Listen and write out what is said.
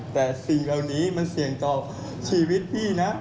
แต่สิ่งเหล่านี้มันเสี่ยงต่อชีวิตพี่นะ